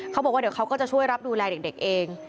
บอกว่าเดี๋ยวเขาก็จะช่วยรับดูแลเด็กเอง